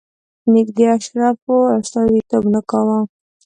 نږدې اشرافو استازیتوب نه کاوه.